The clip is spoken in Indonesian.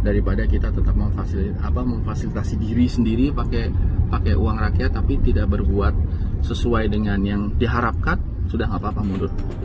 daripada kita tetap memfasilitasi diri sendiri pakai uang rakyat tapi tidak berbuat sesuai dengan yang diharapkan sudah tidak apa apa mundur